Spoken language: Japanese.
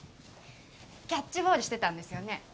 キャッチボールしてたんですよね？